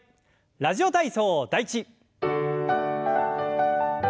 「ラジオ体操第１」。